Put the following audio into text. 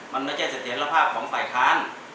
มันไม่ใช่เสถียรภาพของฝ่ายค้าน